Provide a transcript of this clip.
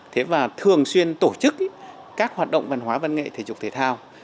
thế và thường xuyên tổ chức các hoạt động văn hóa văn nghệ thể dục thể thao